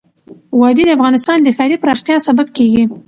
وادي د افغانستان د ښاري پراختیا سبب کېږي.